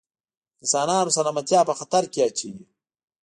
د انسانانو سلامتیا په خطر کې اچوي.